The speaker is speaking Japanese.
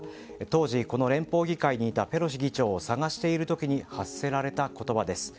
当時、この連邦議会にいたペロシ議長を捜している時に発せられた言葉です。